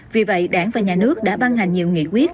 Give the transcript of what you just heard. vì vậy đảng và nhà nước đã ban hành nhiều nghị quyết